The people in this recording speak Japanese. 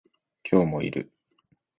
今日もいる